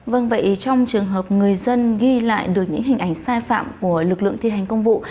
vâng vậy trong trường hợp người dân ghi lại được những hình ảnh sai phạm của lực lượng thi hành công vụ